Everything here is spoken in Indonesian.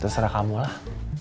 terserah kamu lah